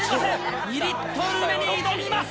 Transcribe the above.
２リットル目に挑みます！